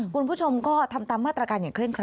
คุณผู้ชมก็ทำตามมาตรการอย่างเคร่งคร